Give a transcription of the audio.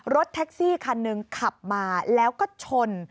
รถแท็กซี่คันหนึ่งขับมาแล้วก็ชน